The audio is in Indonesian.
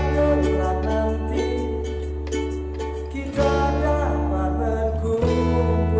jangan mudik atau kemana mana